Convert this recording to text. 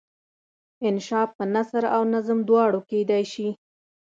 انشأ په نثر او نظم دواړو کیدای شي.